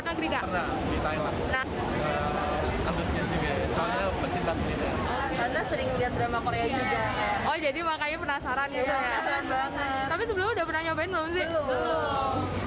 tapi sebelumnya udah pernah nyobain belum sih